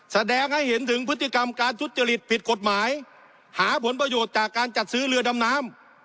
แสดงให้เห็นถึงพฤติกรรมการทุจริตผิดกฎหมายหาผลประโยชน์จากการจัดซื้อเรือดำน้ำ